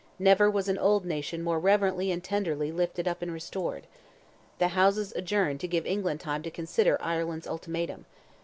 Never was an old nation more reverently and tenderly lifted up and restored! The Houses adjourned to give England time to consider Ireland's ultimatum.